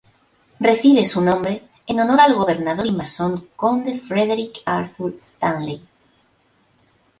Recibe su nombre en honor al gobernador y masón Conde Frederick Arthur Stanley.